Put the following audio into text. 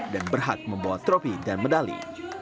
dan berhak membawa tropi dan medali